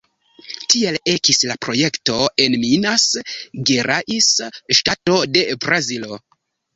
Tiel ekis la projekto en Minas Gerais, ŝtato de Brazilo.